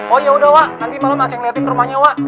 oh yaudah wa nanti malam acing liatin rumahnya wa